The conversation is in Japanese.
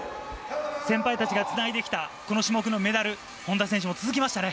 先輩たちがつないできた、この種目のメダル、本多選手も続きましたね。